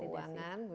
terima kasih desy